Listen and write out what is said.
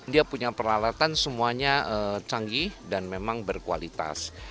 dia punya peralatan semuanya canggih dan memang berkualitas